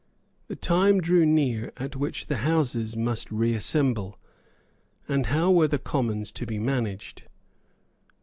The time drew near at which the Houses must reassemble; and how were the Commons to be managed?